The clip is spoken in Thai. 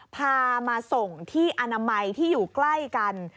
พามาส่งที่อนามัยที่อยู่ใกล้กัน